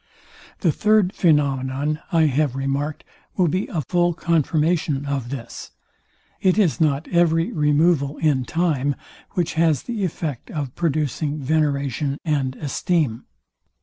The third phænomenon I have remarked will be a full confirmation of this. It is not every removal in time, which has the effect of producing veneration and esteem.